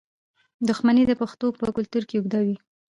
دښمني د پښتنو په کلتور کې اوږده وي.